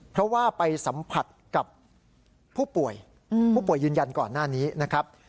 เพราะว่าไปสัมผัสกับผู้ป่วยผู้ป่วยยืนยันก่อนหน้านี้นะครับ